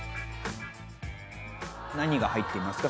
何が入っていますか？